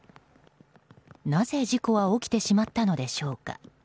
なぜ事故は起きてしまったのでしょうか。